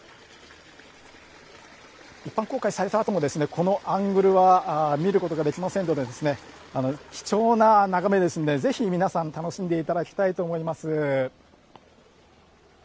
一般公開されたあともこのアングルは見ることができませんので貴重な眺めですのでぜひ皆さん、楽しんでいただきたいと思います。